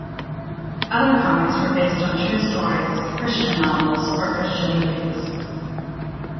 Other comics were based on true stories, Christian novels, or Christian movies.